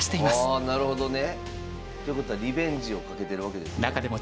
あなるほどね。ということはリベンジを懸けてるわけですね。